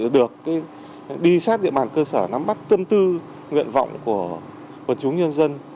được đi sát địa bàn cơ sở nắm bắt tâm tư nguyện vọng của quần chúng nhân dân